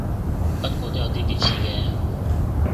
不過都有啲啲似嘅